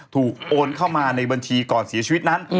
โอนเข้ามาในบัญชีก่อนเสียชีวิตนั้น